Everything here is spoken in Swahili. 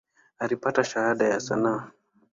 Alipata Shahada ya sanaa.